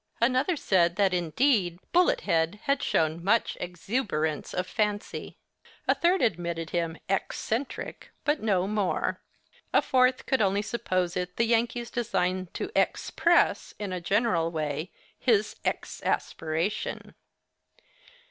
Another said that, indeed, Bullet head had shown much X uberance of fancy. A third admitted him X entric, but no more. A fourth could only suppose it the Yankee's design to X press, in a general way, his X asperation.